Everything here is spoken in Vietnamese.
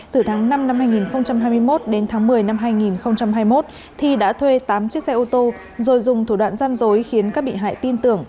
từ tháng năm năm hai nghìn hai mươi một đến tháng một mươi năm hai nghìn hai mươi một thi đã thuê tám chiếc xe ô tô rồi dùng thủ đoạn gian dối khiến các bị hại tin tưởng